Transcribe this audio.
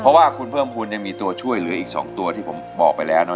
เพราะว่าคุณเพิ่มภูมิยังมีตัวช่วยเหลืออีก๒ตัวที่ผมบอกไปแล้วเนอ